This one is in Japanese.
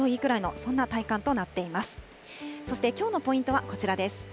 そしてきょうのポイントはこちらです。